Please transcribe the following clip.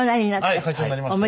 はい会長になりました。